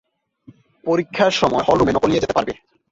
পরীক্ষা সময় হলরুমে নকল নিয়ে যেতে পারবে!